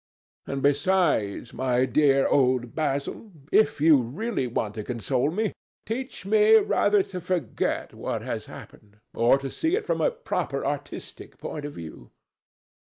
And besides, my dear old Basil, if you really want to console me, teach me rather to forget what has happened, or to see it from a proper artistic point of view.